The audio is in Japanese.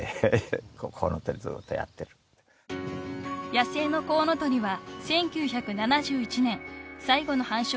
［野生のコウノトリは１９７１年最後の繁殖地